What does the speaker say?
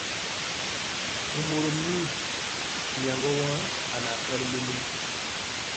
Momorom nyɔŋgɔ aa kwali lomili.